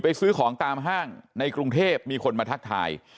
ซื้อของตามห้างในกรุงเทพมีคนมาทักทาย